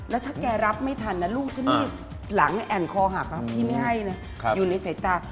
แล้วถ้าแกรับไม่ทันนะลูกฉันมีดหลังแอ่นคอหักพี่ไม่ให้นะอยู่ในสายตา